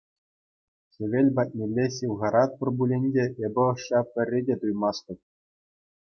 Хевел патнелле ҫывхаратпӑр пулин те эпӗ ӑшша пӗрре те туймастӑп.